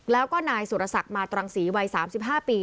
แล้วก็นายสุรศักดิ์มาตรังศรีวัย๓๕ปี